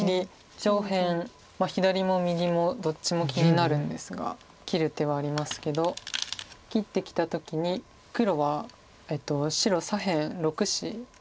上辺左も右もどっちも気になるんですが切る手はありますけど切ってきた時に黒は白左辺６子ありますよね。